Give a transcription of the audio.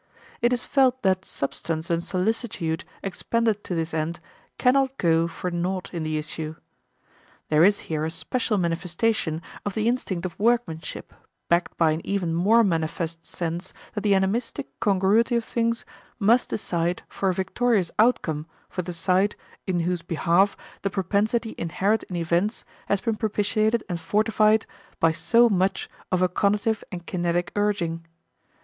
It is felt that substance and solicitude expended to this end can not go for naught in the issue. There is here a special manifestation of the instinct of workmanship, backed by an even more manifest sense that the animistic congruity of things must decide for a victorious outcome for the side in whose behalf the propensity inherent in events has been propitiated and fortified by so much of conative and kinetic urging.